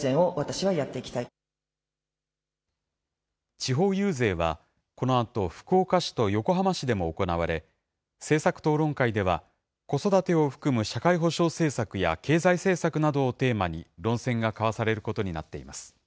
地方遊説は、このあと福岡市と横浜市でも行われ、政策討論会では子育てを含む社会保障政策や、経済政策などをテーマに論戦が交わされることになっています。